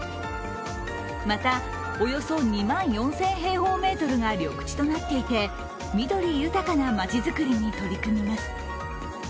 また、およそ２万４０００平方メートルが緑地となっていて、緑豊かな街づくりに取り組みます。